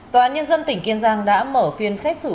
tòa án nhân dân tỉnh kiên giang đã mở phiên xét xử